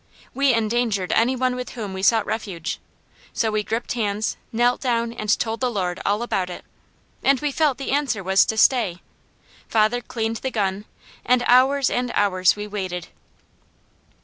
We endangered any one with whom we sought refuge, so we gripped hands, knelt down and told the Lord all about it, and we felt the answer was to stay. Father cleaned the gun, and hours and hours we waited.